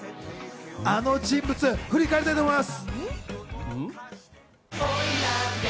あの人物、振り返りたいと思います。